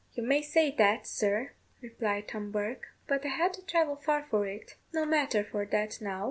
"You may say that, sir," replied Tom Bourke; "but I had to travel far for it: no matter for that now.